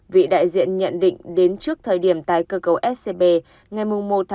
vị đại diện nhận định đến trước thời điểm tái cơ cấu scb ngày một một hai nghìn một mươi hai